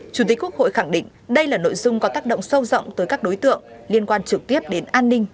chủ tịch quốc hội khẳng định đây là nội dung có tác động sâu rộng tới các đối tượng liên quan trực tiếp đến an ninh